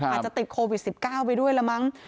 อาจจะติดโควิด๑๙ไปด้วยละมั้ง